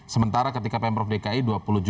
sementara ketika pemprov dki rp dua puluh